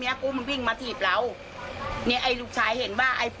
เราแค่สองคนแค่นั้นน่ะทีนี้พวกมันมาลุ้มเตะลูกชายหนูมั่วไปหมดเลย